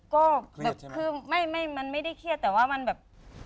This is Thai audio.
ก็คือมันไม่ได้เครียดแต่ว่ามันแบบ